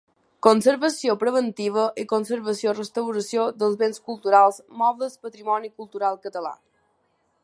Conservació preventiva i conservació-restauració dels béns culturals mobles del patrimoni cultural català.